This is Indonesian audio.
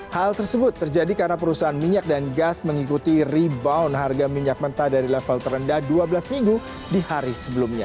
hal tersebut terjadi karena perusahaan minyak dan gas mengikuti rebound harga minyak mentah dari level terendah dua belas minggu di hari sebelumnya